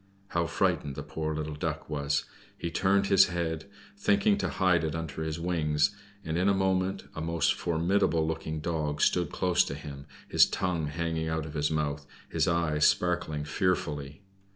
How frightened the poor little Duck was! He turned his head, thinking to hide it under his wings, and in a moment a most formidable looking Dog stood close to him, his tongue hanging out of his mouth, his eyes sparkling fearfully.